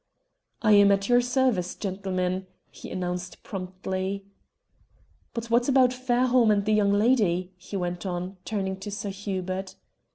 "I am at your service, gentlemen," he announced promptly. "But what about Fairholme and the young lady," he went on, turning to Sir Hubert.